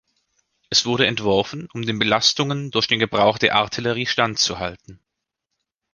Es wurde entworfen, um den Belastungen durch den Gebrauch der Artillerie standzuhalten.